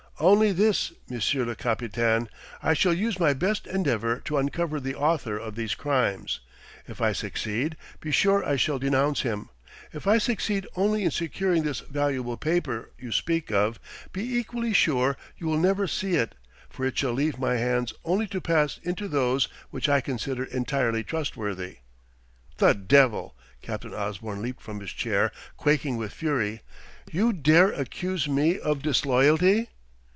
"Only this, monsieur le capitaine: I shall use my best endeavour to uncover the author of these crimes. If I succeed, be sure I shall denounce him. If I succeed only in securing this valuable paper you speak of, be equally sure you will never see it; for it shall leave my hands only to pass into those which I consider entirely trustworthy." "The devil!" Captain Osborne leaped from his chair quaking with fury. "You dare accuse me of disloyalty